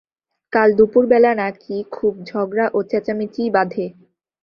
কাল দুপুর বেলা নাকি খুব ঝগড়া ও চেঁচামেচি বাধে।